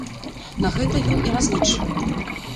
На гэта ён і разлічвае.